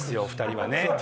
お二人は。